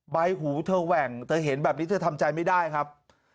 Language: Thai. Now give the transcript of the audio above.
ใบหูเธอแหว่งเธอเห็นแบบนี้เธอทำใจไม่ได้ครับ